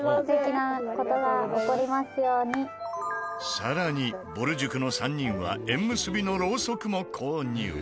更にぼる塾の３人は縁結びのロウソクも購入。